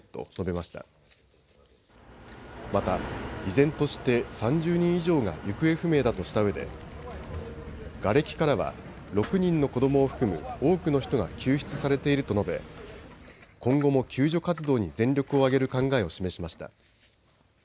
また依然として３０人以上が行方不明だとしたうえでがれきからは６人の子どもを含む多くの人が救出されていると述べ今後も救助活動に全力を挙げる考えを示しました。